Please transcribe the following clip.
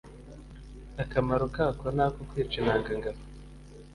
akamaro kako ni ako kwica intangangabo